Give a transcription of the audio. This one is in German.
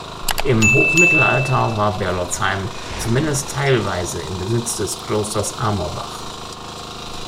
Im Hochmittelalter war Berolzheim zumindest teilweise im Besitz des Klosters Amorbach.